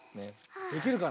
できるかな？